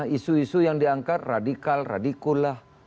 isu isu yang diangkat radikal radikulah